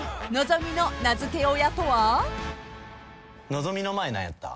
のぞみの前何やった？